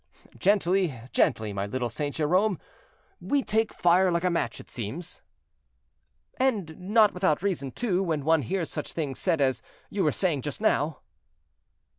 "Gently, gently, my little Saint Jerome; we take fire like a match, it seems." "And not without reason, too, when one hears such things said as you were saying just now."